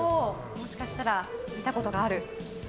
もしかしたら見たことがある。